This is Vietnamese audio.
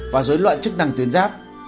và rối loạn chức năng tuyến giáp